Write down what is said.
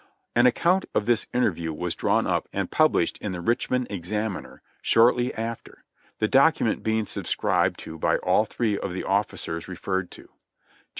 An account of this interview Vv'as drawn up and published in the Richmond Examiner shortly after, the document being subscribed to by all three of the offi cers referred to. Gen.